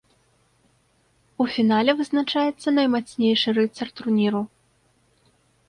У фінале вызначаецца наймацнейшы рыцар турніру.